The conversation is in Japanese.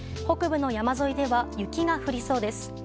北部の山沿いでは雪が降りそうです。